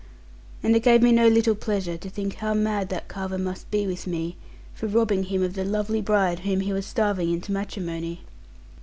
And it gave me no little pleasure to think how mad that Carver must be with me, for robbing him of the lovely bride whom he was starving into matrimony.